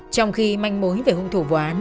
trong khi manh mối về hụng thủ quán